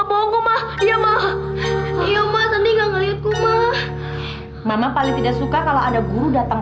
bonggok mah iya mah iya mah nanti nggak ngelihatku mah mama paling tidak suka kalau ada guru datang